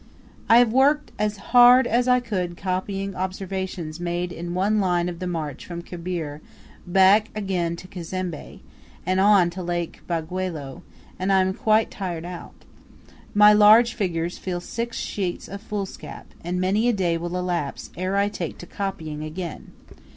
I have worked as hard as I could copying observations made in one line of march from Kabuire, back again to Cazembe, and on to Lake Baugweolo, and am quite tired out. My large figures fill six sheets of foolscap, and many a day will elapse ere I take to copying again.